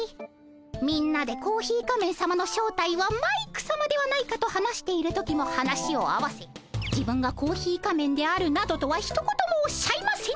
みんなでコーヒー仮面さまの正体はマイクさまではないかと話している時も話を合わせ自分がコーヒー仮面であるなどとはひと言もおっしゃいませんでした。